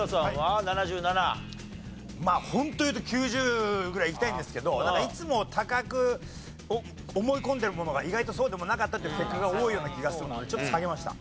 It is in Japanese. ホント言うと９０ぐらいいきたいんですけどいつも高く思い込んでるものが意外とそうでもなかったっていう結果が多いような気がするんでちょっと下げました。